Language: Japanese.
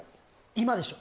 今でしょ